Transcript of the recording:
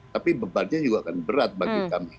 tapi beban nya juga akan berat bagi kami